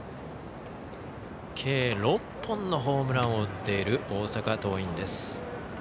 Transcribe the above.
計６本のホームランを打っている大阪桐蔭です。